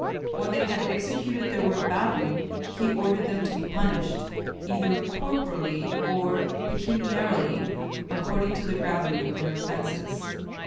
When they had executed their work badly, he ordered them to be punished, either corporally or pecuniarily, according to the gravity of their offences.